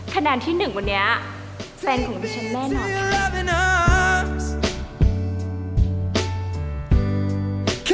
ขนาดที่หนึ่งวันนี้แฟนของดิฉันแม่นอนค่ะ